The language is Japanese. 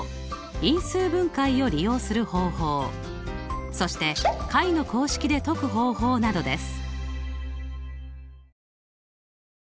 因数分解を利用する方法そして解の公式で解く方法などです。